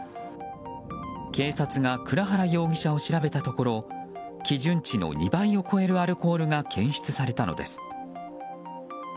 警察が倉原容疑者を調べたところ基準値の２倍を超えるアルコールが検出されたのです。